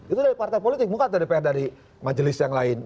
itu dari partai politik bukan dari pr dari majelis yang lain